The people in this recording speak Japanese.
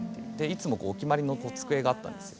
いつもお決まりの机があったんです。